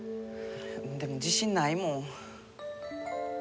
でも自信ないもん。